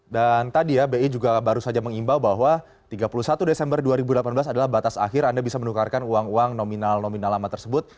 dan tadi ya bi juga baru saja mengimbau bahwa tiga puluh satu desember dua ribu delapan belas adalah batas akhir anda bisa menukarkan uang uang nominal nominal lama tersebut